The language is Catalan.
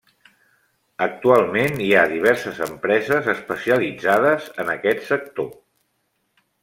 Actualment hi ha diverses empreses especialitzades en aquest sector.